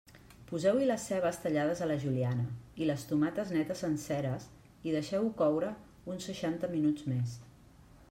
Poseu-hi les cebes tallades a la juliana i les tomates netes senceres i deixeu-ho coure uns seixanta minuts més.